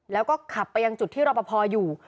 แล้วก็ขับไปยังจุดที่รอปภอยู่